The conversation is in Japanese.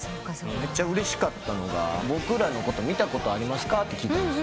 めちゃうれしかったのが「僕らのこと見たことありますか？」と聞いたんです。